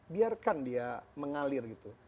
biarkan dia mengalir gitu